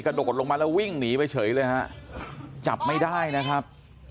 โดดลงมาแล้ววิ่งหนีไปเฉยเลยฮะจับไม่ได้นะครับ